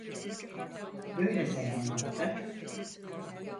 Böyle zamanlarda...